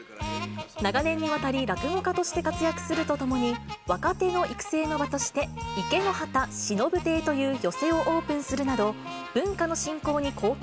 長年にわたり、落語家として活躍するとともに、若手の育成の場として、池之端しのぶ亭という寄席をオープンするなど、文化の振興に貢献